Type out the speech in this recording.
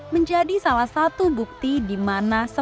menjadi salah satu bukti di mana semangat perempuan ini berhasil berjalan